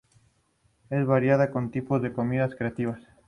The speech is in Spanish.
Es variada, con tipos de comidas creativas.